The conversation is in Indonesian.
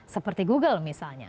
seperti google misalnya